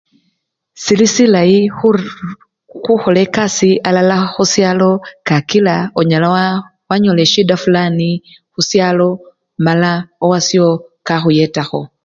Sili silayi khuririr! khukhola ekasii alala khusyalo kakila onyala wanyola esyida fulani khusyalo mala owasyo kakhuyetakho.